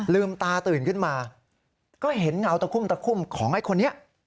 ลืมตาตื่นขึ้นมาก็เห็นเงาตะคุ่มตะคุ่มของไอ้คนนี้